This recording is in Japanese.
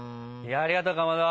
ありがとうかまど。